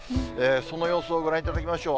その様子をご覧いただきましょう。